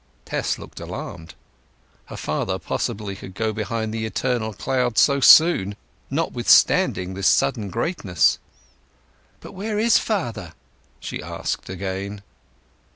'" Tess looked alarmed. Her father possibly to go behind the eternal cloud so soon, notwithstanding this sudden greatness! "But where is father?" she asked again.